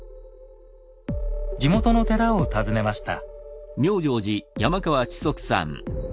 地元の寺を訪ねました。